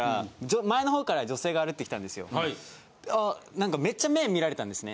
なんかめっちゃ目見られたんですね。